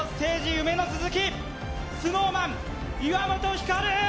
夢の続きＳｎｏｗＭａｎ・岩本照！